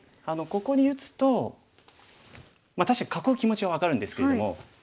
ここに打つと確かに囲う気持ちは分かるんですけども。